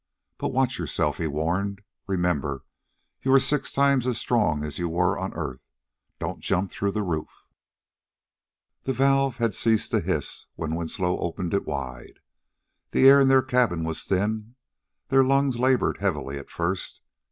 But watch yourself," he warned. "Remember you are six times as strong as you were on the earth. Don't jump through the roof." THE valve had ceased to hiss when Winslow opened it wide. The air in their cabin was thin; their lungs labored heavily at first.